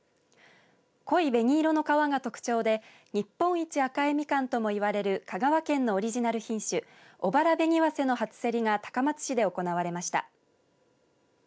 濃い紅色の皮が特徴で日本一赤いミカンともいわれる香川県のオリジナル品種小原紅早生の初競りが高松市で行われました。